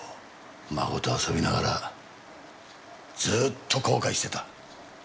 孫と遊びながらずーっと後悔してた。